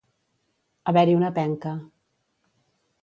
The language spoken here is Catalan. Haver-hi una penca.